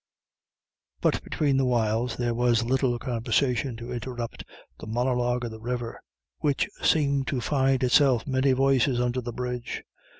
But between whiles there was little conversation to interrupt the monologue of the river, which seemed to find itself many voices under the bridge.